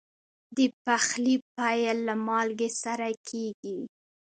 د پخلي پیل له مالګې سره کېږي.